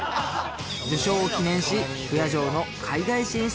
受賞を記念し「不夜城」の海外進出